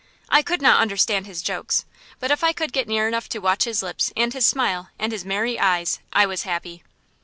I could not understand his jokes, but if I could get near enough to watch his lips and his smile and his merry eyes, I was happy.